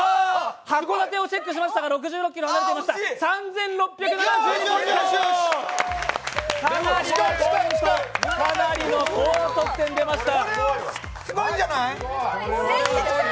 函館をチェックしましたが、６６ｋｍ離れていました、３６７２点、かなりの高得点出ました。